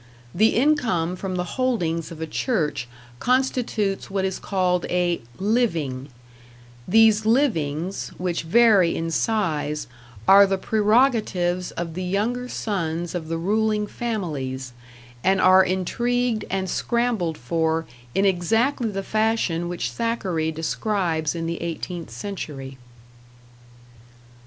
The income from the holdings of a church constitutes what is called a "living"; these livings, which vary in size, are the prerogatives of the younger sons of the ruling families, and are intrigued and scrambled for in exactly the fashion which Thackeray describes in the eighteenth century.